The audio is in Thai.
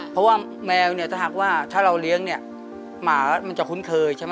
เพราะว่าแมวเนี่ยถ้าหากว่าถ้าเราเลี้ยงเนี่ยหมามันจะคุ้นเคยใช่ไหม